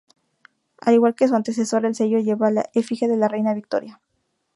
Al igual que su antecesor, el sello lleva la efigie de la reina Victoria.